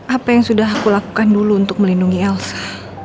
apa yang sudah aku lakukan dulu untuk melindungi elsa